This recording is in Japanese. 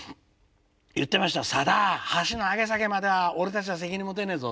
言ってました「さだ箸の上げ下げまでは俺たちは責任持てねえぞ」